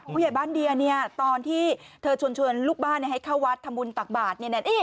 ผู้ใหญ่บ้านเดียเนี่ยตอนที่เธอชวนลูกบ้านให้เข้าวัดทำบุญตักบาท